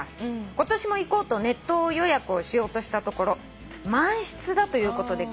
今年も行こうとネット予約をしようとしたところ満室だということでガッカリ」